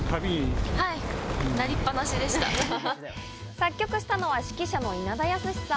作曲したのは指揮車の稲田康さん。